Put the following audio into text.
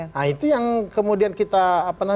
nah itu yang kemudian kita